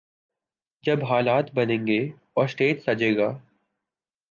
جب حالات بنیں گے اور سٹیج سجے گا۔